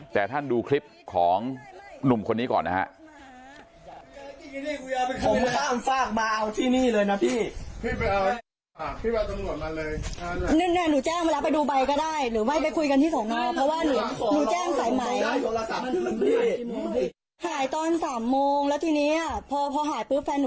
แต่ท่านดูคลิปของหนุ่มคนนี้ก่อนนะฮะ